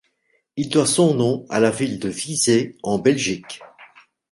Il doit son nom à la ville de Visé en Belgique.